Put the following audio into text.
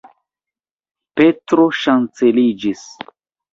Petro ŝanceliĝis.